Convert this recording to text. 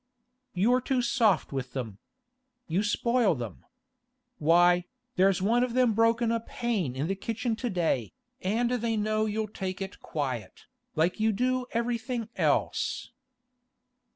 'You're too soft with them. You spoil them. Why, there's one of them broken a pane in the kitchen to day, and they know you'll take it quiet, like you do everything else.